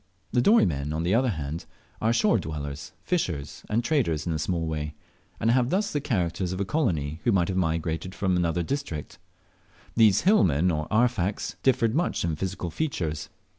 The Dorey men, on the other hand, are shore dwellers, fishers and traders in a small way, and have thus the character of a colony who have migrated from another district. These hillmen or "Arfaks" differed much in physical features.